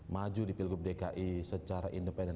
maju di pilgub dki secara independen